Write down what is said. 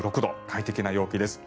快適な陽気です。